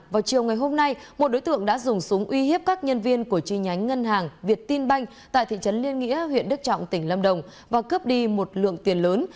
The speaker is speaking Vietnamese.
vào chiều ngày hôm nay một đối tượng đã dùng súng uy hiếp các nhân viên của chi nhánh ngân hàng việt tin banh tại thị trấn liên nghĩa huyện đức trọng tỉnh lâm đồng và cướp đi một lượng tiền lớn